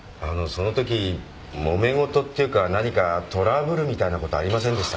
そのときもめ事っていうか何かトラブルみたいなことありませんでした？